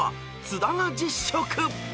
津田が実食！］